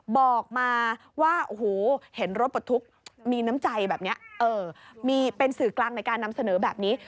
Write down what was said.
บอกมาว่าโอ้โหเห็นรถปลดทุกข์มีน้ำใจแบบนี้มีเป็นสื่อกลางในการนำเสนอแบบนี้